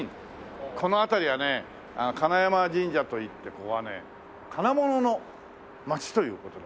この辺りはね金山神社といってここはね金物の町という事で。